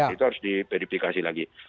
itu harus diverifikasi lagi